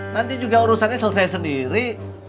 nanti juga urusannya selesai sendiri